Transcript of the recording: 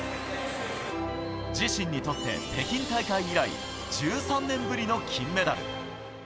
自身にとって北京大会以来、１３年ぶりの金メダル。